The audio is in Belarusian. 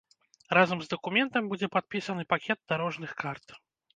Разам з дакументам будзе падпісаны пакет дарожных карт.